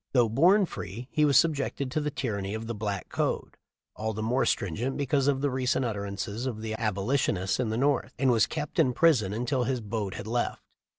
Though born free he was subjected to the tyranny of the "black code," all the more stringent because of the recent utterances of the Abolitionists in the North, and was kept in prison until his boat had left.